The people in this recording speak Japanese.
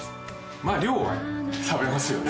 まあ量はね食べますよね。